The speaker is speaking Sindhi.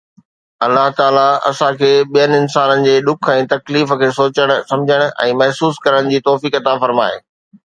الله تعاليٰ اسان کي ٻين انسانن جي ڏک ۽ تڪليف کي سوچڻ، سمجهڻ ۽ محسوس ڪرڻ جي توفيق عطا فرمائي